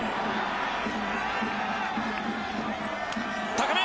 高め！